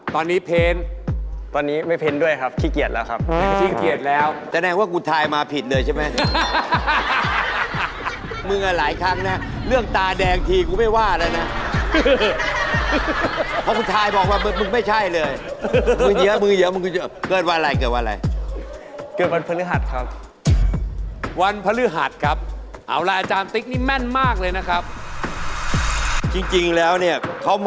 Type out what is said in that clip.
ก่อนเด็กเคยวาดรูปครับแต่โตมาไม่วาดแล้วครับ